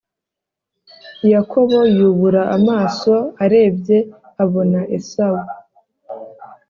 Yakobo yubura amaso arebye abona Esawu